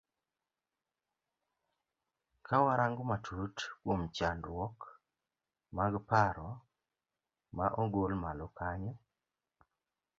Kawa rango matut kuom chandruok mag paro ma ogol malo kanyo.